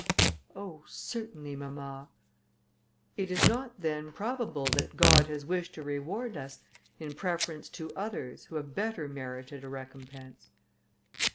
"Oh, certainly, mamma." "It is not, then, probable, that God has wished to reward us, in preference to others, who have better merited a recompense."